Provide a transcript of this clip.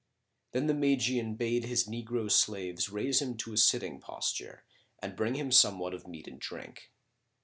Then the Magian bade his negro slaves raise him to a sitting posture and bring him somewhat of meat and drink.